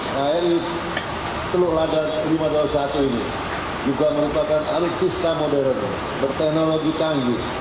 kri teluk lada lima ratus dua puluh satu ini juga merupakan alutsista modern berteknologi tanggis